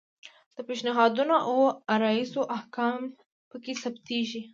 د پیشنهادونو او عرایضو احکام پکې ثبتیږي.